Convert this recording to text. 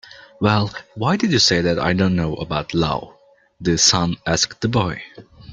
"Well, why did you say that I don't know about love?" the sun asked the boy.